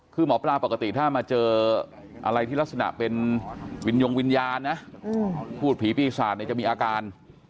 คือหมอปลาปกติถ้ามาเจออะไรที่ลักษณะเป็นวิญญงวิญญาณนะพูดผีปีศาจจะมีอาการ